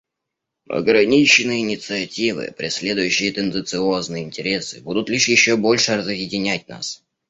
Ограниченные инициативы, преследующие тенденциозные интересы, будут лишь еще больше разъединять нас.